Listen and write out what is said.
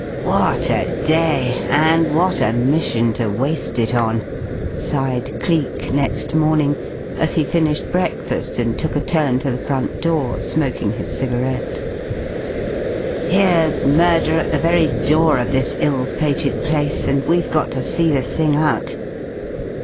"What a day! And what a mission to waste it on!" sighed Cleek next morning, as he finished breakfast and took a turn to the front door, smoking his cigarette. "Here's murder at the very door of this ill fated place. And we've got to see the thing out!"